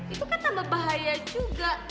itu kan tambah bahaya juga